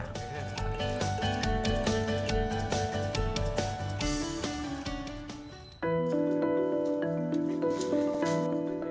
bagaimana cara mengurangkan kondisi kejiwaan pasien